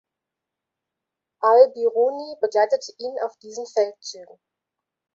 Al-Biruni begleitete ihn auf diesen Feldzügen.